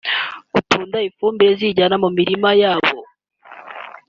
gutunda ifumbire ziyijyana mu mirima yabo